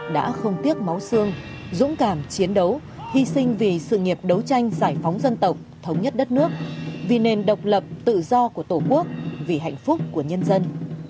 đã không tiếc máu xương dũng cảm chiến đấu hy sinh vì sự nghiệp đấu tranh giải phóng dân tộc thống nhất đất nước vì nền độc lập tự do của tổ quốc vì hạnh phúc của nhân dân